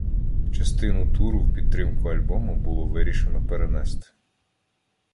Частину туру в підтримку альбому було вирішено перенести.